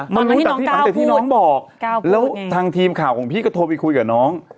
มันรู้จากที่หลังจากที่น้องบอกแล้วทางทีมข่าวของพี่ก็โทรไปคุยกับน้อง